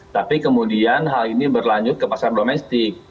tapi kemudian hal ini berlanjut ke pasar domestik